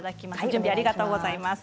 準備ありがとうございます。